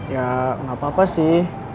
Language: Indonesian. ya nggak apa apa sih